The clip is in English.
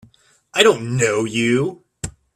I don't know you!